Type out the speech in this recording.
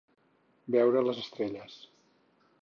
Veure les estrelles.